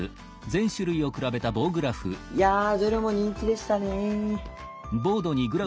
いやどれも人気でしたね。